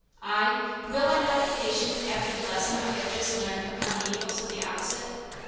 "I? Will I not be patient, after the lesson I have just learned upon the evils of the opposite?